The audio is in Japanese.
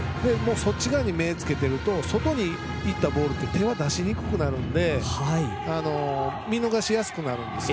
そこに目をつけていると外にいったボールは手が出しにくくなるので見逃しやすくなるんですよ。